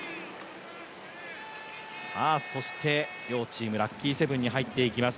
そして両チームラッキーセブンに入っていきます。